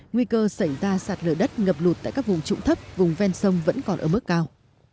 nguy cơ xảy ra sạt lửa đất ngập lụt tại các vùng trụng thấp vùng ven sông vẫn còn ở mức cao